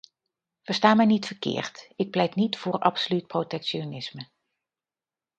Versta mij niet verkeerd: ik pleit niet voor absoluut protectionisme.